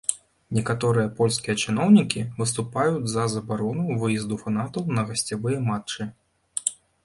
Некаторыя польскія чыноўнікі выступаюць за забарону выезду фанатаў на гасцявыя матчы.